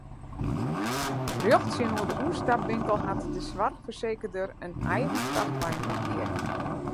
Rjocht tsjinoer de oerstapwinkel hat de soarchfersekerder in eigen frachtwein parkearre.